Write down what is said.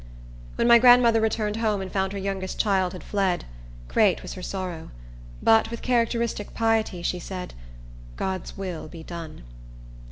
When my grandmother returned home and found her youngest child had fled, great was her sorrow; but, with characteristic piety, she said, "God's will be done."